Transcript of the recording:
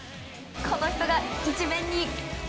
この人が１面に！